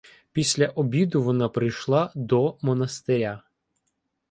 Після обіду вона прийшла до монастиря.